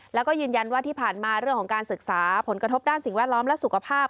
แล้วก็ยืนยันว่าที่ผ่านมาเรื่องของการศึกษาผลกระทบด้านสิ่งแวดล้อมและสุขภาพ